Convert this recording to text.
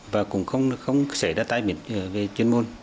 và cũng không xảy ra tai biến về chuyên môn